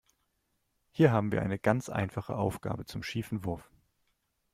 Hier haben wir eine ganz einfache Aufgabe zum schiefen Wurf.